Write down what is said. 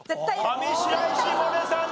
上白石萌音さん